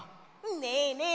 ねえねえ